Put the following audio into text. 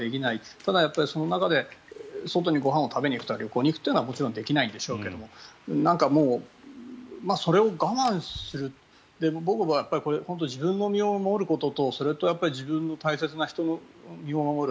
ただその中で外にご飯を食べに行くとか旅行に行くのはもちろんできないんでしょうけどなんかもう、それを我慢する僕は自分の身を守ることとそれと自分の大切な人の身を守る。